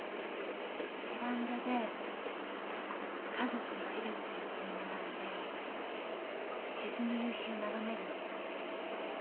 ベランダで家族一列横に並んで沈む夕日を眺めるの。